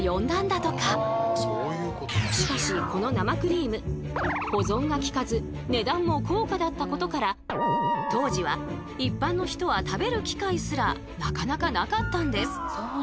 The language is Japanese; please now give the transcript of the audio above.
しかしこの生クリーム保存がきかず値段も高価だったことから当時は一般の人は食べる機会すらなかなかなかったんです。